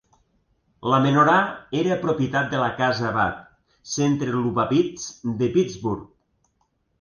La menorà era propietat de la casa Habad, centre lubavitx de Pittsburgh.